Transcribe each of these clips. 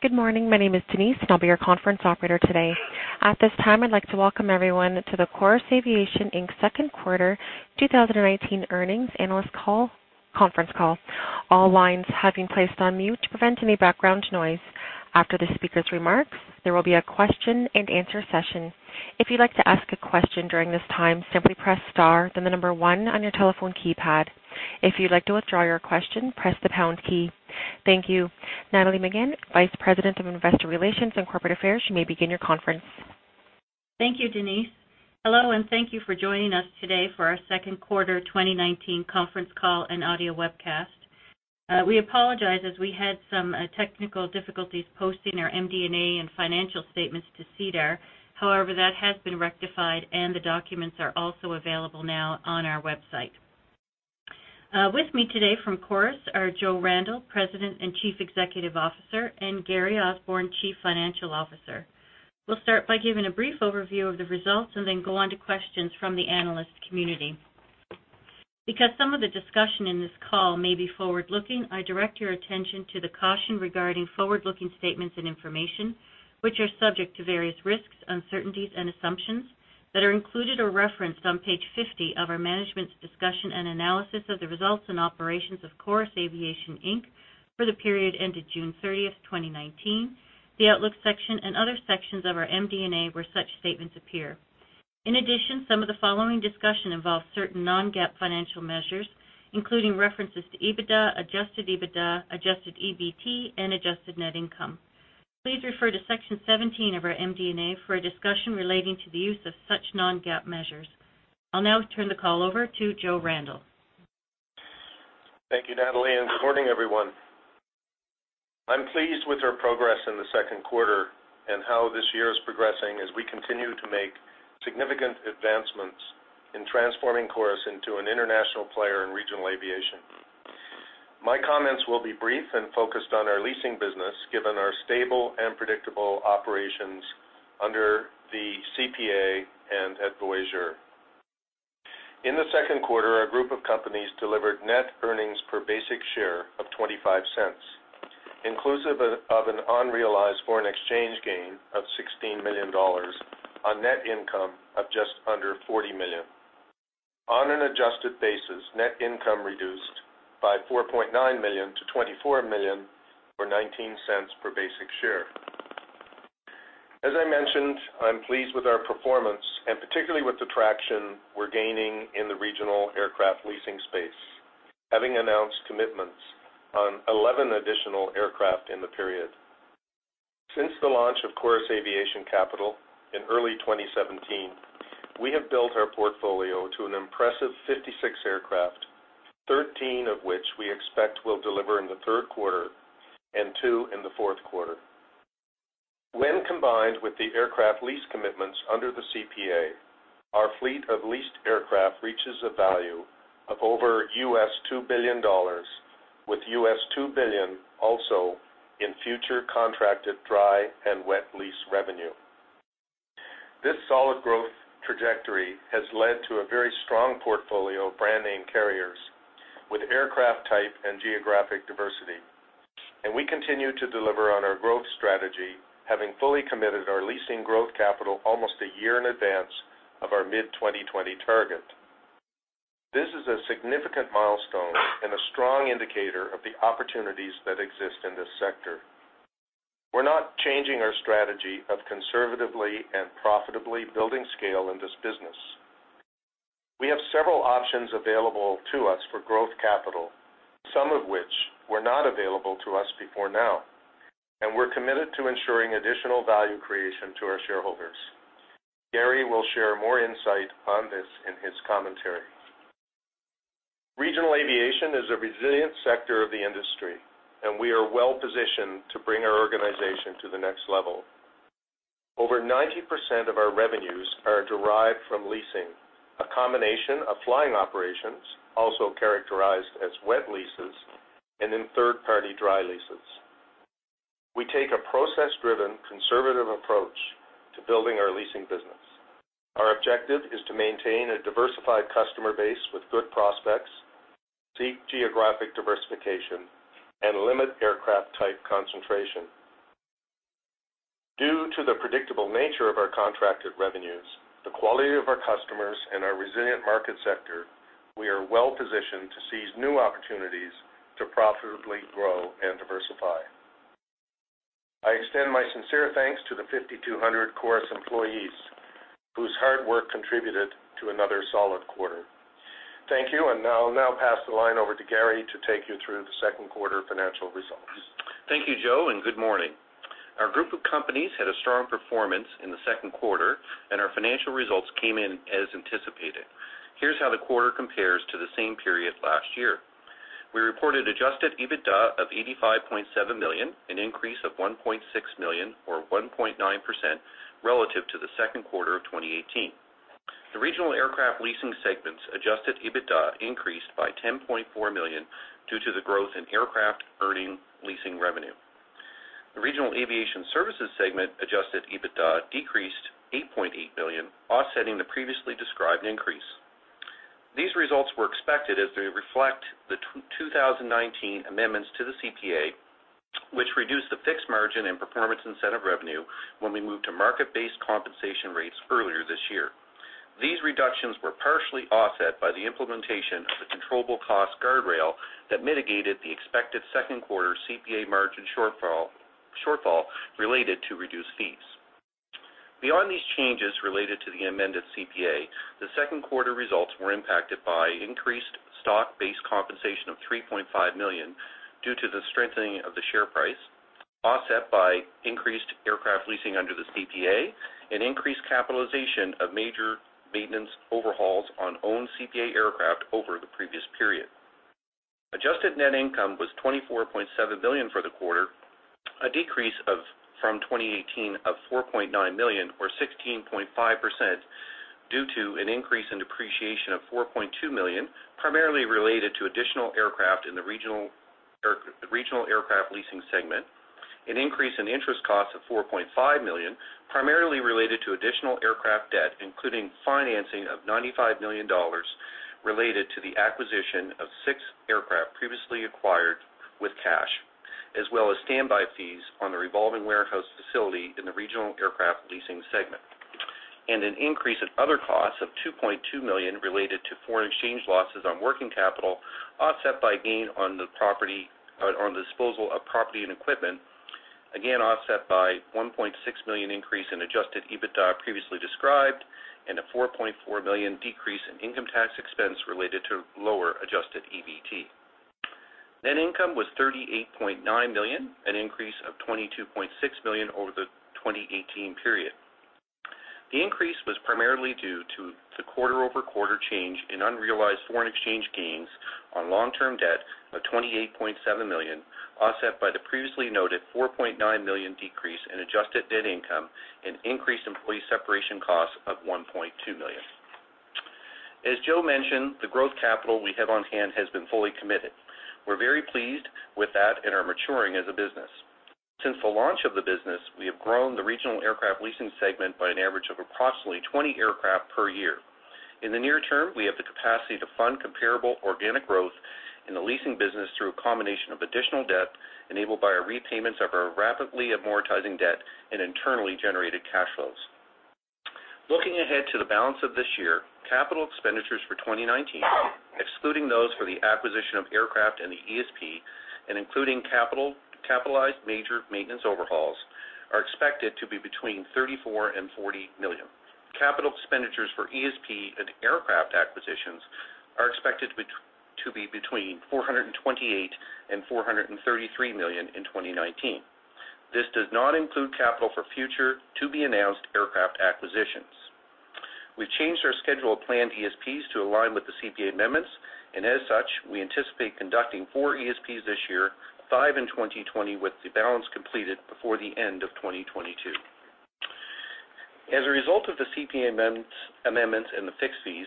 Good morning. My name is Denise, and I'll be your conference operator today. At this time, I'd like to welcome everyone to the Chorus Aviation Inc.'s second quarter 2019 earnings analyst call - conference call. All lines have been placed on mute to prevent any background noise. After the speaker's remarks, there will be a question-and-answer session. If you'd like to ask a question during this time, simply press star, then the number one on your telephone keypad. If you'd like to withdraw your question, press the pound key. Thank you. Natalie McGinn, Vice President of Investor Relations and Corporate Affairs, you may begin your conference. Thank you, Denise. Hello, and thank you for joining us today for our second quarter 2019 conference call and audio webcast. We apologize as we had some technical difficulties posting our MD&A and financial statements to SEDAR. However, that has been rectified, and the documents are also available now on our website. With me today from Chorus are Joe Randell, President and Chief Executive Officer, and Gary Osborne, Chief Financial Officer. We'll start by giving a brief overview of the results and then go on to questions from the analyst community. Because some of the discussion in this call may be forward-looking, I direct your attention to the caution regarding forward-looking statements and information, which are subject to various risks, uncertainties, and assumptions that are included or referenced on page 50 of our Management's Discussion and Analysis of the results and operations of Chorus Aviation, Inc. For the period ended June 30th, 2019, the outlook section, and other sections of our MD&A, where such statements appear. In addition, some of the following discussion involves certain non-GAAP financial measures, including references to EBITDA, adjusted EBITDA, adjusted EBT, and adjusted net income. Please refer to Section 17 of our MD&A for a discussion relating to the use of such non-GAAP measures. I'll now turn the call over to Joe Randell. Thank you, Natalie, and good morning, everyone. I'm pleased with our progress in the second quarter and how this year is progressing as we continue to make significant advancements in transforming Chorus into an international player in regional aviation. My comments will be brief and focused on our leasing business, given our stable and predictable operations under the CPA and at Voyageur. In the second quarter, our group of companies delivered net earnings per basic share of 0.25, inclusive of an unrealized foreign exchange gain of 16 million dollars on net income of just under 40 million. On an adjusted basis, net income reduced by 4.9 million to 24 million, or 0.19 per basic share. As I mentioned, I'm pleased with our performance and particularly with the traction we're gaining in the regional aircraft leasing space, having announced commitments on 11 additional aircraft in the period. Since the launch of Chorus Aviation Capital in early 2017, we have built our portfolio to an impressive 56 aircraft, 13 of which we expect will deliver in the third quarter and 2 in the fourth quarter. When combined with the aircraft lease commitments under the CPA, our fleet of leased aircraft reaches a value of over $2 billion, with $2 billion also in future contracted dry and wet lease revenue. This solid growth trajectory has led to a very strong portfolio of brand name carriers with aircraft type and geographic diversity, and we continue to deliver on our growth strategy, having fully committed our leasing growth capital almost a year in advance of our mid-2020 target. This is a significant milestone and a strong indicator of the opportunities that exist in this sector. We're not changing our strategy of conservatively and profitably building scale in this business. We have several options available to us for growth capital, some of which were not available to us before now, and we're committed to ensuring additional value creation to our shareholders. Gary will share more insight on this in his commentary. Regional aviation is a resilient sector of the industry, and we are well-positioned to bring our organization to the next level. Over 90% of our revenues are derived from leasing, a combination of flying operations, also characterized as wet leases and in third-party dry leases. We take a process-driven, conservative approach to building our leasing business. Our objective is to maintain a diversified customer base with good prospects, seek geographic diversification, and limit aircraft type concentration. Due to the predictable nature of our contracted revenues, the quality of our customers, and our resilient market sector, we are well-positioned to seize new opportunities to profitably grow and diversify. I extend my sincere thanks to the 5,200 Chorus employees, whose hard work contributed to another solid quarter. Thank you, and I'll now pass the line over to Gary to take you through the second quarter financial results. Thank you, Joe, and good morning. Our group of companies had a strong performance in the second quarter, and our financial results came in as anticipated. Here's how the quarter compares to the same period last year. We reported adjusted EBITDA of 85.7 million, an increase of 1.6 million, or 1.9% relative to the second quarter of 2018. The regional aircraft leasing segment's adjusted EBITDA increased by 10.4 million due to the growth in aircraft earning leasing revenue. The regional aviation services segment adjusted EBITDA decreased 8.8 billion, offsetting the previously described increase.... These results were expected as they reflect the 2019 amendments to the CPA, which reduced the fixed margin and performance incentive revenue when we moved to market-based compensation rates earlier this year. These reductions were partially offset by the implementation of the controllable cost guardrail that mitigated the expected second quarter CPA margin shortfall related to reduced fees. Beyond these changes related to the amended CPA, the second quarter results were impacted by increased stock-based compensation of 3.5 million due to the strengthening of the share price, offset by increased aircraft leasing under the CPA and increased capitalization of major maintenance overhauls on own CPA aircraft over the previous period. Adjusted net income was 24.7 billion for the quarter, a decrease of from 2018 of 4.9 million or 16.5%, due to an increase in depreciation of 4.2 million, primarily related to additional aircraft in the regional or the regional aircraft leasing segment, an increase in interest costs of 4.5 million, primarily related to additional aircraft debt, including financing of 95 million dollars related to the acquisition of six aircraft previously acquired with cash, as well as standby fees on the revolving warehouse facility in the regional aircraft leasing segment, and an increase in other costs of 2.2 million related to foreign exchange losses on working capital, offset by gain on the property on the disposal of property and equipment, again offset by 1.6 million increase in adjusted EBITDA previously described, and a 4.4 million decrease in income tax expense related to lower adjusted EBT. Net income was 38.9 million, an increase of 22.6 million over the 2018 period. The increase was primarily due to the quarter-over-quarter change in unrealized foreign exchange gains on long-term debt of 28.7 million, offset by the previously noted 4.9 million decrease in adjusted net income and increased employee separation costs of 1.2 million. As Joe mentioned, the growth capital we have on hand has been fully committed. We're very pleased with that and are maturing as a business. Since the launch of the business, we have grown the regional aircraft leasing segment by an average of approximately 20 aircraft per year. In the near term, we have the capacity to fund comparable organic growth in the leasing business through a combination of additional debt enabled by our repayments of our rapidly amortizing debt and internally generated cash flows. Looking ahead to the balance of this year, capital expenditures for 2019, excluding those for the acquisition of aircraft and the ESP and including capitalized major maintenance overhauls, are expected to be 34 million-40 million. Capital expenditures for ESP and aircraft acquisitions are expected to be between 428 million and 433 million in 2019. This does not include capital for future to-be-announced aircraft acquisitions. We've changed our schedule of planned ESPs to align with the CPA amendments, and as such, we anticipate conducting 4 ESPs this year, 5 in 2020, with the balance completed before the end of 2022. As a result of the CPA amendments, amendments and the fixed fees,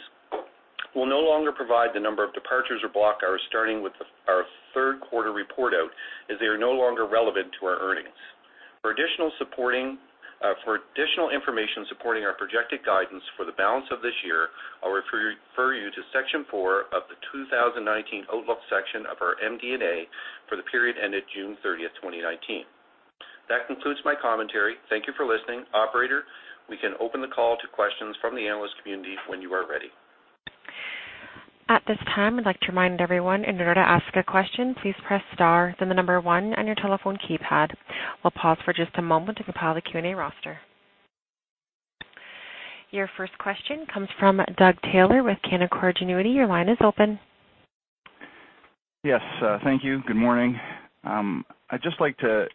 we'll no longer provide the number of departures or block hours, starting with our third quarter report out, as they are no longer relevant to our earnings. For additional supporting, for additional information supporting our projected guidance for the balance of this year, I'll refer, refer you to Section Four of the 2019 Outlook section of our MD&A for the period ended June 30, 2019. That concludes my commentary. Thank you for listening. Operator, we can open the call to questions from the analyst community when you are ready. At this time, I'd like to remind everyone, in order to ask a question, please press star, then the number one on your telephone keypad. We'll pause for just a moment to compile the Q&A roster. Your first question comes from Doug Taylor with Canaccord Genuity. Your line is open. Yes, thank you. Good morning. I'd just like to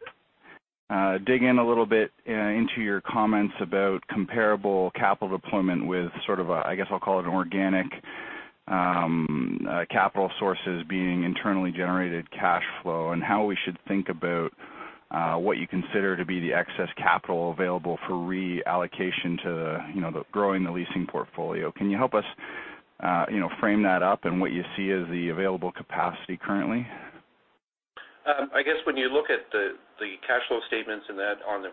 dig in a little bit into your comments about comparable capital deployment with sort of a, I guess, I'll call it, an organic capital sources being internally generated cash flow and how we should think about what you consider to be the excess capital available for reallocation to the, you know, the growing the leasing portfolio. Can you help us, you know, frame that up and what you see as the available capacity currently? I guess when you look at the cash flow statements and that on the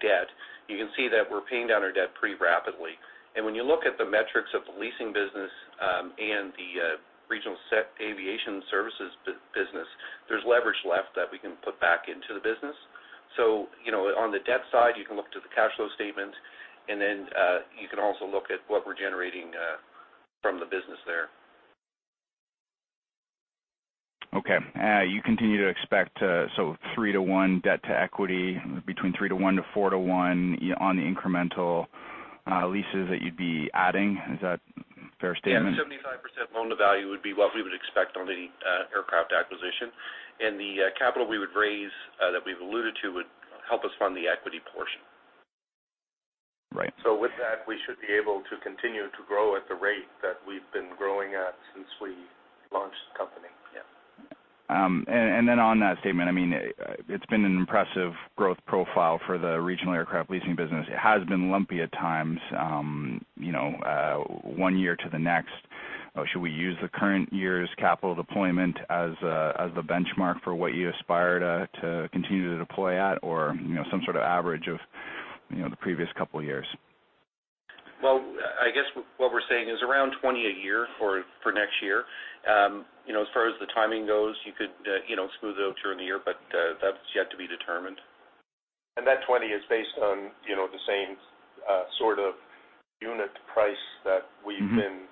debt, you can see that we're paying down our debt pretty rapidly. When you look at the metrics of the leasing business and the regional jet aviation services business, there's leverage left that we can put back into the business. So you know, on the debt side, you can look to the cash flow statement, and then you can also look at what we're generating from the business there. Okay, you continue to expect, so 3-to-1 debt-to-equity, between 3-to-1 to 4-to-1 on the incremental leases that you'd be adding. Is that a fair statement? Yeah, 75% loan-to-value would be what we would expect on the aircraft acquisition, and the capital we would raise that we've alluded to would help us fund the equity portion. Right. With that, we should be able to continue to grow at the rate that we've been growing at since we launched the company. Yeah. And then on that statement, I mean, it's been an impressive growth profile for the regional aircraft leasing business. It has been lumpy at times, you know, one year to the next. Should we use the current year's capital deployment as the benchmark for what you aspire to continue to deploy at, or, you know, some sort of average of the previous couple of years? Well, I guess what we're saying is around 20 a year for next year. You know, as far as the timing goes, you could, you know, smooth it out during the year, but that's yet to be determined. And that 20 is based on, you know, the same, sort of unit price that we've- Mm-hmm -been,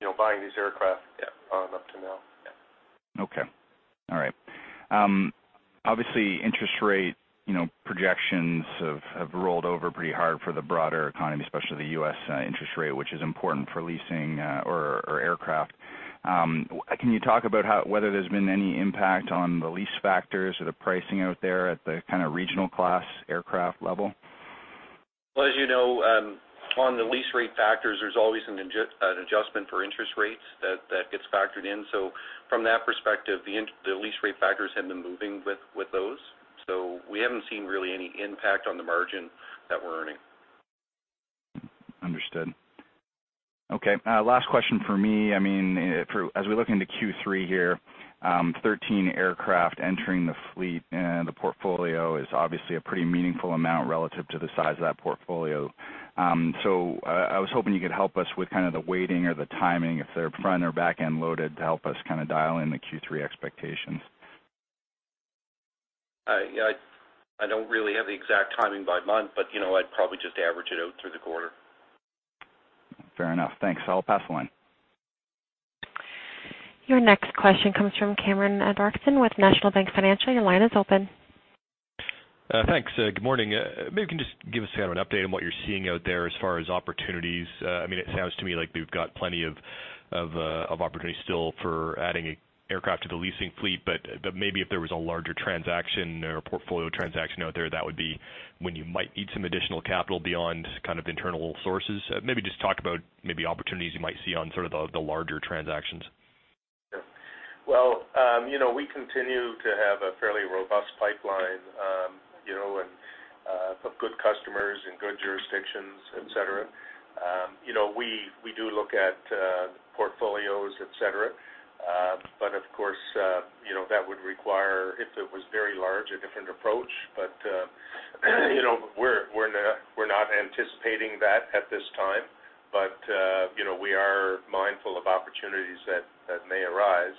you know, buying these aircraft, up to now. Yeah. Okay. All right. Obviously, interest rate, you know, projections have rolled over pretty hard for the broader economy, especially the U.S., interest rate, which is important for leasing, or aircraft. Can you talk about whether there's been any impact on the lease factors or the pricing out there at the kind of regional class aircraft level? Well, as you know, on the lease rate factors, there's always an adjustment for interest rates that gets factored in. So from that perspective, the lease rate factors have been moving with those. So we haven't seen really any impact on the margin that we're earning. Understood. Okay, last question for me. I mean, as we look into Q3 here, 13 aircraft entering the fleet and the portfolio is obviously a pretty meaningful amount relative to the size of that portfolio. So, I was hoping you could help us with kind of the weighting or the timing, if they're front or back-end loaded, to help us kind of dial in the Q3 expectations. I don't really have the exact timing by month, but, you know, I'd probably just average it out through the quarter. Fair enough. Thanks. I'll pass the line. Your next question comes from Cameron Doerksen with National Bank Financial. Your line is open. Thanks. Good morning. Maybe you can just give us kind of an update on what you're seeing out there as far as opportunities. I mean, it sounds to me like we've got plenty of opportunities still for adding aircraft to the leasing fleet. But maybe if there was a larger transaction or portfolio transaction out there, that would be when you might need some additional capital beyond kind of internal sources. Maybe just talk about maybe opportunities you might see on sort of the larger transactions. Sure. Well, you know, we continue to have a fairly robust pipeline, you know, and of good customers and good jurisdictions, et cetera. You know, we do look at portfolios, et cetera. But of course, you know, that would require, if it was very large, a different approach. But, you know, we're not anticipating that at this time, but, you know, we are mindful of opportunities that may arise.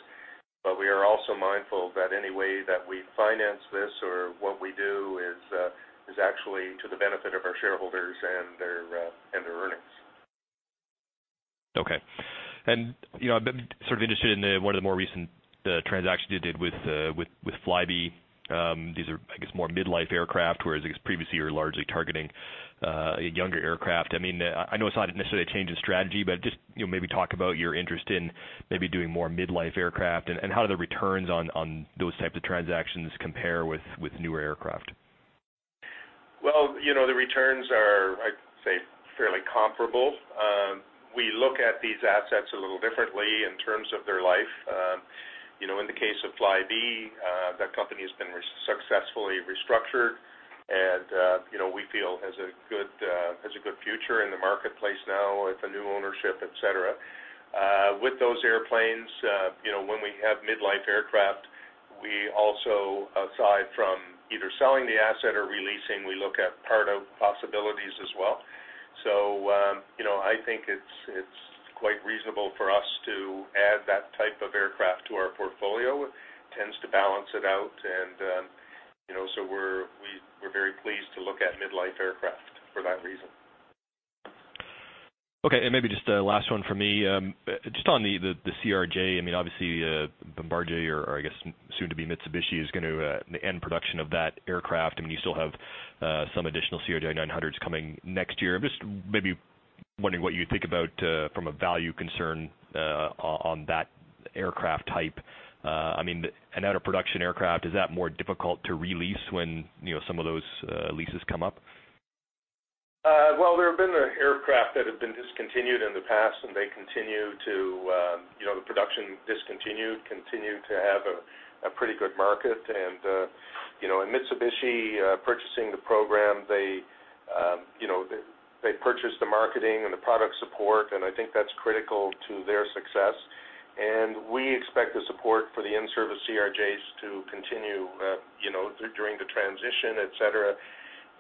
But we are also mindful that any way that we finance this or what we do is actually to the benefit of our shareholders and their earnings. Okay. And, you know, I'm sort of interested in one of the more recent transactions you did with, with, with Flybe. These are, I guess, more midlife aircraft, whereas I guess previously you were largely targeting younger aircraft. I mean, I know it's not necessarily a change in strategy, but just, you know, maybe talk about your interest in maybe doing more midlife aircraft. And, and how do the returns on, on those types of transactions compare with, with newer aircraft? Well, you know, the returns are, I'd say, fairly comparable. We look at these assets a little differently in terms of their life. You know, in the case of Flybe, that company has been successfully restructured and, you know, we feel has a good, has a good future in the marketplace now with the new ownership, et cetera. With those airplanes, you know, when we have midlife aircraft, we also, aside from either selling the asset or releasing, we look at part-out possibilities as well. So, you know, I think it's, it's quite reasonable for us to add that type of aircraft to our portfolio. It tends to balance it out, and, you know, so we're, we, we're very pleased to look at midlife aircraft for that reason. Okay, and maybe just a last one for me. Just on the, the CRJ, I mean, obviously, Bombardier, or I guess, soon to be Mitsubishi, is going to end production of that aircraft. I mean, you still have some additional CRJ-900s coming next year. I'm just maybe wondering what you think about, from a value concern, on, on that aircraft type. I mean, an out-of-production aircraft, is that more difficult to re-lease when, you know, some of those leases come up? Well, there have been aircraft that have been discontinued in the past, and they continue to, you know, the production discontinued, continue to have a, a pretty good market. And, you know, in Mitsubishi, purchasing the program, they, you know, they, they purchased the marketing and the product support, and I think that's critical to their success. And we expect the support for the in-service CRJs to continue, you know, during the transition, et cetera.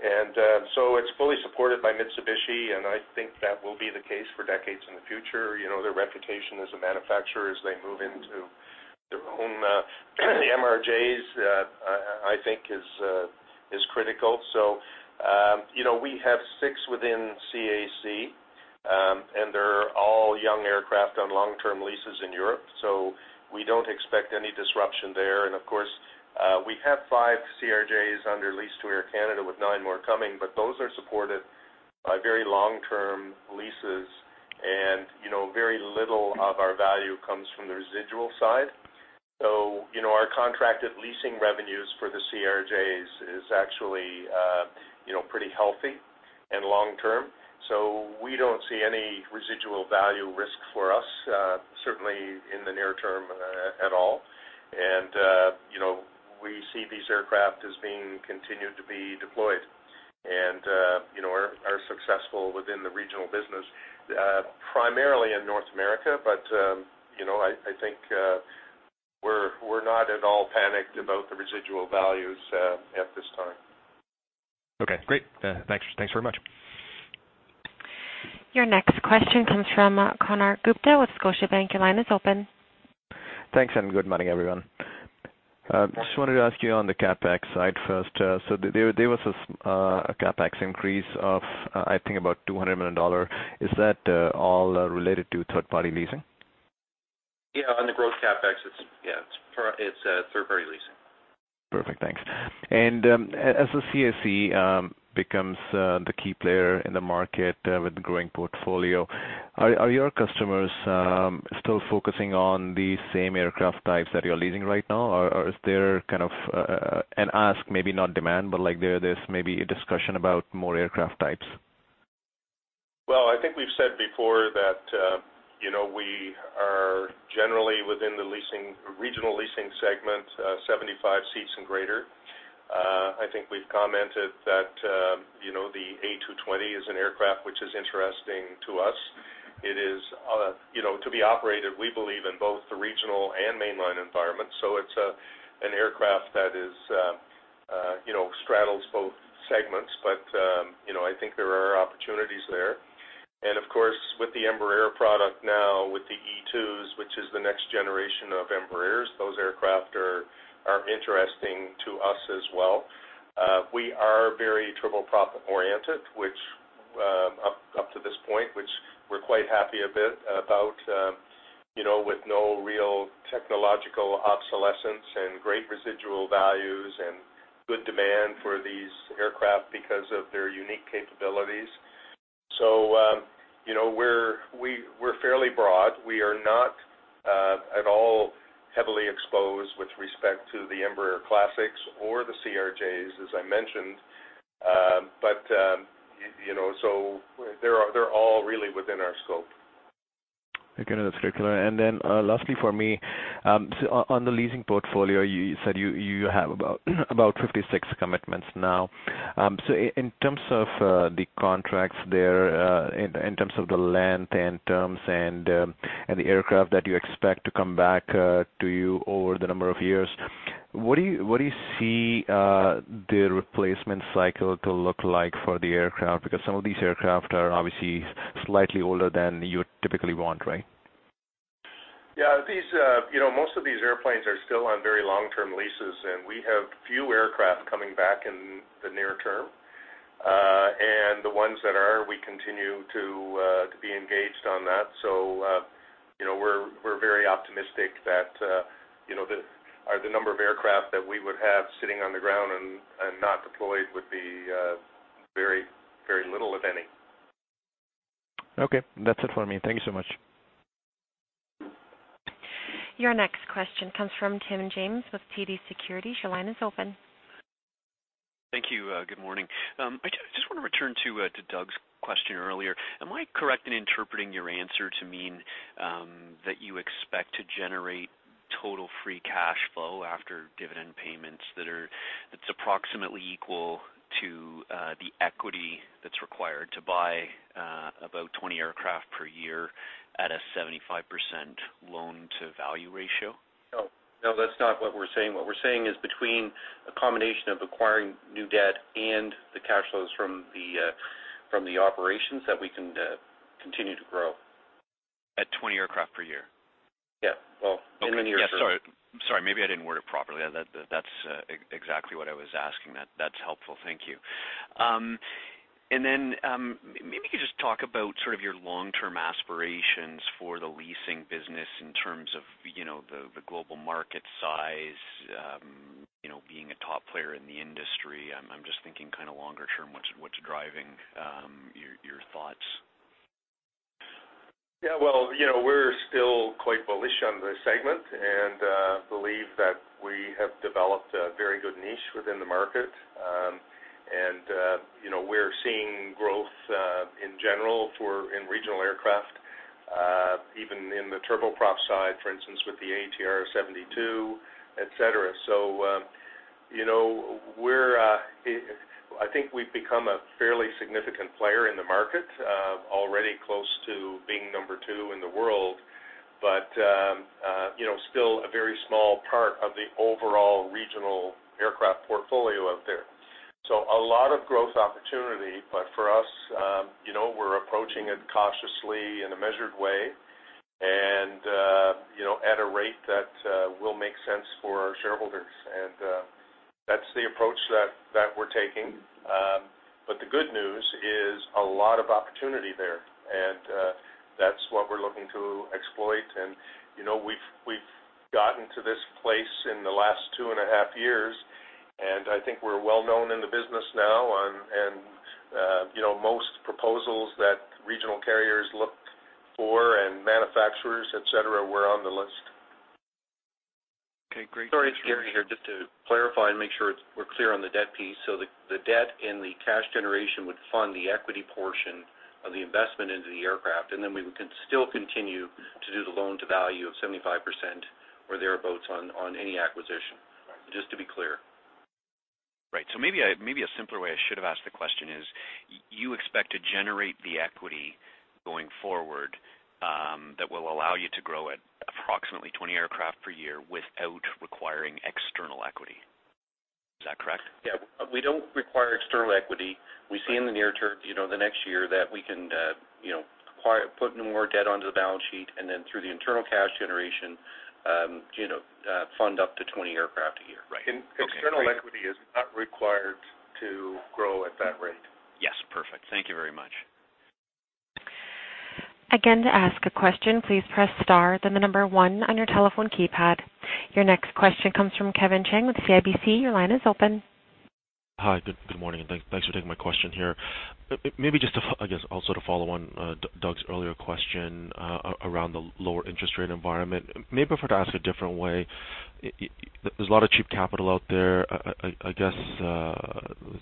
And, so it's fully supported by Mitsubishi, and I think that will be the case for decades in the future. You know, their reputation as a manufacturer, as they move into their own, MRJs, I think is, is critical. So, you know, we have six within CAC, and they're all young aircraft on long-term leases in Europe, so we don't expect any disruption there. And of course, we have five CRJs under lease to Air Canada, with nine more coming, but those are supported by very long-term leases, and, you know, very little of our value comes from the residual side. So, you know, our contracted leasing revenues for the CRJs is actually, you know, pretty healthy and long term. So we don't see any residual value risk for us, certainly in the near term, at all. And, you know, we see these aircraft as being continued to be deployed and, you know, are successful within the regional business, primarily in North America. But, you know, I think we're not at all panicked about the residual values at this time. Okay, great. Thanks very much. Your next question comes from Konark Gupta with Scotiabank. Your line is open. Thanks, and good morning, everyone. Just wanted to ask you on the CapEx side first. So there was a CapEx increase of, I think about 200 million dollars. Is that all related to third-party leasing? Yeah, on the growth CapEx, it's, yeah, it's for, it's third-party leasing. Perfect, thanks. And, as the CAC becomes the key player in the market with the growing portfolio, are your customers still focusing on the same aircraft types that you're leasing right now? Or is there kind of an ask, maybe not demand, but like, there is maybe a discussion about more aircraft types? Well, I think we've said before that, you know, we are generally within the leasing, regional leasing segment, 75 seats and greater. I think we've commented that, you know, the A220 is an aircraft which is interesting to us. It is, you know, to be operated, we believe, in both the regional and mainline environment. So it's, an aircraft that is, you know, straddles both segments, but, you know, I think there are opportunities there. And of course, with the Embraer product now, with the E2s, which is the next generation of Embraers, those aircraft are, interesting to us as well. We are very triple-profit oriented, which up to this point, which we're quite happy a bit about, you know, with no real technological obsolescence and great residual values and good demand for these aircraft because of their unique capabilities. So, you know, we're fairly broad. We are not at all heavily exposed with respect to the Embraer Classics or the CRJs, as I mentioned. But, you know, so they're all really within our scope. Okay, that's clear. And then, lastly for me, so on the leasing portfolio, you said you have about 56 commitments now. So in terms of the contracts there, in terms of the length and terms and the aircraft that you expect to come back to you over the number of years, what do you see the replacement cycle to look like for the aircraft? Because some of these aircraft are obviously slightly older than you would typically want, right? Yeah, these, you know, most of these airplanes are still on very long-term leases, and we have few aircraft coming back in the near term. And the ones that are, we continue to be engaged on that. So, you know, we're very optimistic that, you know, the number of aircraft that we would have sitting on the ground and not deployed would be very, very little, if any. Okay. That's it for me. Thank you so much. Your next question comes from Tim James with TD Securities. Your line is open. Thank you, good morning. I just want to return to Doug's question earlier. Am I correct in interpreting your answer to mean that you expect to generate total free cash flow after dividend payments that's approximately equal to the equity that's required to buy about 20 aircraft per year at a 75% loan-to-value ratio? No, no, that's not what we're saying. What we're saying is between a combination of acquiring new debt and the cash flows from the operations, that we can continue to grow. At 20 aircraft per year? Yeah. Well, in many years- Yeah, sorry, sorry. Maybe I didn't word it properly. That, that's exactly what I was asking. That, that's helpful. Thank you. And then, maybe you could just talk about sort of your long-term aspirations for the leasing business in terms of, you know, the global market size, you know, being a top player in the industry. I'm just thinking kind of longer term, what's driving your thoughts? Yeah, well, you know, we're still quite bullish on the segment and believe that we have developed a very good niche within the market. And, you know, we're seeing growth in general in regional aircraft, even in the turboprop side, for instance, with the ATR 72, et cetera. So, you know, we're, I think we've become a fairly significant player in the market, already close to being number two in the world, but, you know, still a very small part of the overall regional aircraft portfolio out there. So a lot of growth opportunity, but for us, you know, we're approaching it cautiously in a measured way and, you know, at a rate that will make sense for our shareholders. And, that's the approach that we're taking. But the good news is a lot of opportunity there, and that's what we're looking to exploit. You know, we've gotten to this place in the last two and a half years, and I think we're well-known in the business now. You know, most proposals that regional carriers look for and manufacturers, et cetera, we're on the list. Okay, great. Sorry, it's Gary here. Just to clarify and make sure we're clear on the debt piece. So the debt and the cash generation would fund the equity portion of the investment into the aircraft, and then we would still continue to do the loan-to-value of 75%, or thereabouts, on any acquisition. Just to be clear. ...So maybe I, maybe a simpler way I should have asked the question is, you expect to generate the equity going forward, that will allow you to grow at approximately 20 aircraft per year without requiring external equity. Is that correct? Yeah, we don't require external equity. We see in the near term, you know, the next year, that we can, you know, put more debt onto the balance sheet and then through the internal cash generation, you know, fund up to 20 aircraft a year. Right. External equity is not required to grow at that rate. Yes, perfect. Thank you very much. Again, to ask a question, please press star, then the number one on your telephone keypad. Your next question comes from Kevin Chiang with CIBC. Your line is open. Hi, good morning, and thanks for taking my question here. Maybe just to, I guess, also to follow on, Doug's earlier question, around the lower interest rate environment. Maybe if I were to ask a different way, there's a lot of cheap capital out there. I guess,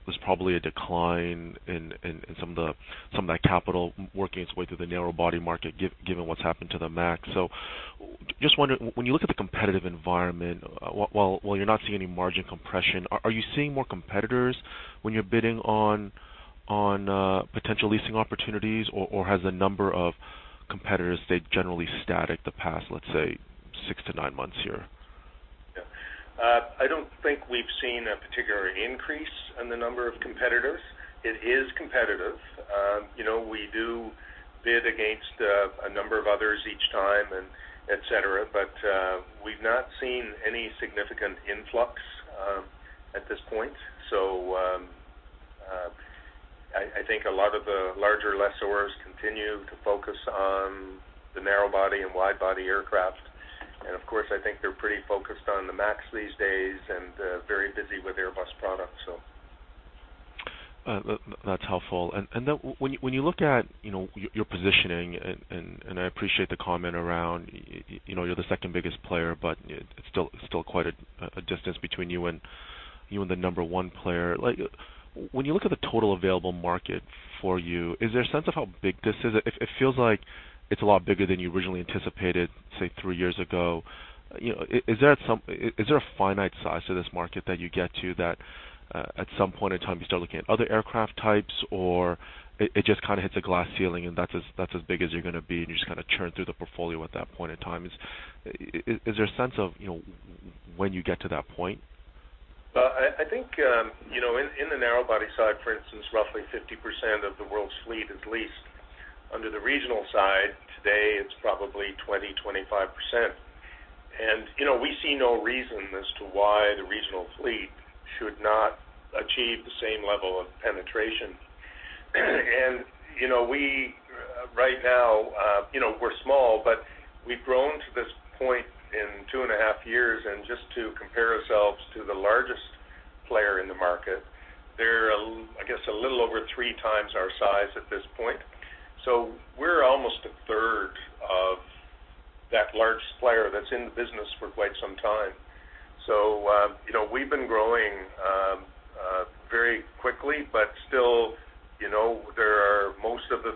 there's probably a decline in some of that capital working its way through the narrow body market, given what's happened to the MAX. So just wondering, when you look at the competitive environment, while you're not seeing any margin compression, are you seeing more competitors when you're bidding on potential leasing opportunities, or has the number of competitors stayed generally static the past, let's say, six to nine months here? Yeah. I don't think we've seen a particular increase in the number of competitors. It is competitive. You know, we do bid against a number of others each time and et cetera, but we've not seen any significant influx at this point. So, I think a lot of the larger lessors continue to focus on the narrow body and wide body aircraft. And of course, I think they're pretty focused on the MAX these days and very busy with Airbus products, so. That's helpful. And then when you look at, you know, your positioning, and I appreciate the comment around, you know, you're the second biggest player, but it's still quite a distance between you and the number one player. Like, when you look at the total available market for you, is there a sense of how big this is? It feels like it's a lot bigger than you originally anticipated, say, three years ago. You know, is there a finite size to this market that you get to, that at some point in time, you start looking at other aircraft types, or it just kind of hits a glass ceiling, and that's as big as you're gonna be, and you just kind of churn through the portfolio at that point in time? Is there a sense of, you know, when you get to that point? I think, you know, in the narrow body side, for instance, roughly 50% of the world's fleet is leased. Under the regional side, today, it's probably 20-25%. And, you know, we see no reason as to why the regional fleet should not achieve the same level of penetration. And, you know, we, right now, you know, we're small, but we've grown to this point in two and a half years, and just to compare ourselves to the largest player in the market, they're, I guess, a little over three times our size at this point. So we're almost a third of that large player that's in the business for quite some time. So, you know, we've been growing very quickly, but still, you know, there are most of the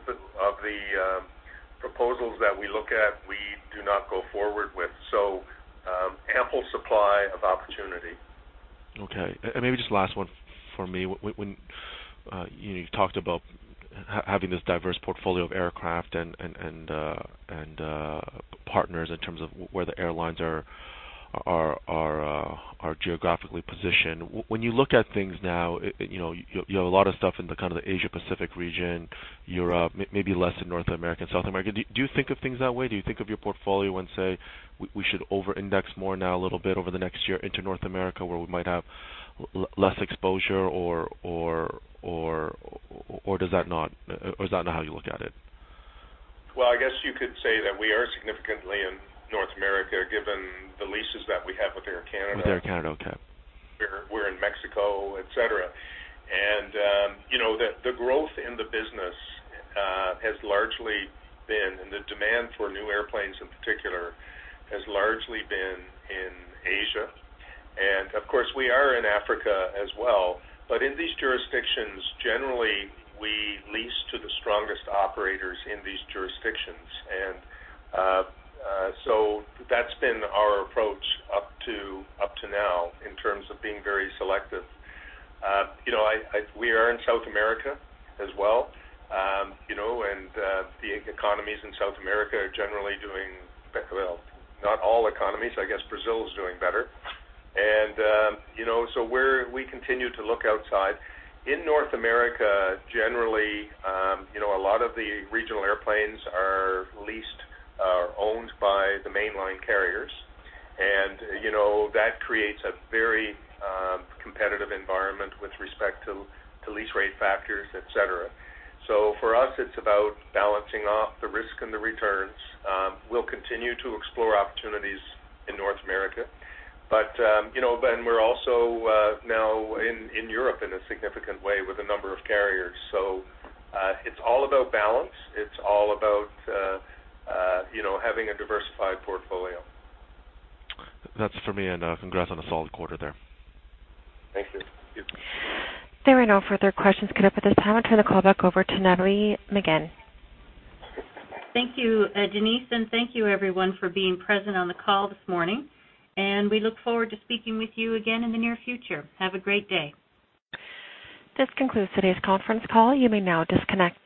proposals that we look at, we do not go forward with. So, ample supply of opportunity. Okay. And maybe just last one for me. When you know, you've talked about having this diverse portfolio of aircraft and partners in terms of where the airlines are geographically positioned. When you look at things now, you know, you have a lot of stuff in the kind of the Asia Pacific region, Europe, maybe less in North America and South America. Do you think of things that way? Do you think of your portfolio and say, "We should over-index more now, a little bit over the next year into North America, where we might have less exposure?" Or does that not, or is that not how you look at it? Well, I guess you could say that we are significantly in North America, given the leases that we have with Air Canada. With Air Canada, okay. We're in Mexico, et cetera. And, you know, the growth in the business has largely been, and the demand for new airplanes in particular, has largely been in Asia. And of course, we are in Africa as well. But in these jurisdictions, generally, we lease to the strongest operators in these jurisdictions. And, so that's been our approach up to now, in terms of being very selective. You know, we are in South America as well. You know, and the economies in South America are generally doing better. Well, not all economies, I guess Brazil is doing better. And, you know, so we're- we continue to look outside. In North America, generally, you know, a lot of the regional airplanes are leased or owned by the mainline carriers, and, you know, that creates a very, competitive environment with respect to, to lease rate factors, et cetera. So for us, it's about balancing off the risk and the returns. We'll continue to explore opportunities in North America, but, you know, then we're also, now in, in Europe in a significant way with a number of carriers. So, it's all about balance. It's all about, you know, having a diversified portfolio. That's for me, and congrats on a solid quarter there. Thank you. There are no further questions queued up at this time. I turn the call back over to Natalie McGinn. Thank you, Denise, and thank you, everyone, for being present on the call this morning, and we look forward to speaking with you again in the near future. Have a great day. This concludes today's conference call. You may now disconnect.